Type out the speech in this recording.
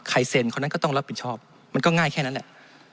เซ็นคนนั้นก็ต้องรับผิดชอบมันก็ง่ายแค่นั้นแหละ